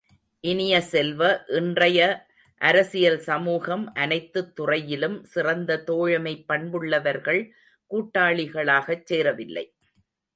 இனிய செல்வ, இன்றைய அரசியல், சமூகம் அனைத்துத் துறையிலும் சிறந்த தோழமைப் பண்புள்ளவர்கள் கூட்டாளிகளாகச் சேரவில்லை.